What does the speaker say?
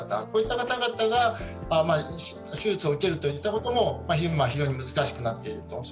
こういった方々が手術を受けることも非常に難しくなっていると。